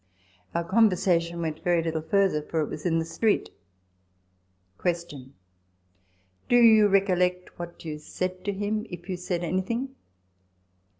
Our conversation went very little further, for it was in the street. Q. Do you recollect what you said to him, if you said anything